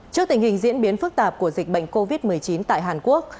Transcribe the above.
trước tình hình diễn biến phức tạp của dịch bệnh covid một mươi chín tại hàn quốc